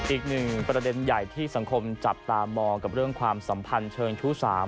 อีกหนึ่งประเด็นใหญ่ที่สังคมจับตามองกับเรื่องความสัมพันธ์เชิงชู้สาม